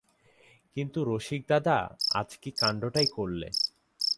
– কিন্তু রসিকদাদা, আজ কী কাণ্ডটাই করলে।